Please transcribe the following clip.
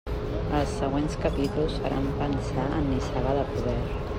Els següents capítols faran pensar en Nissaga de poder.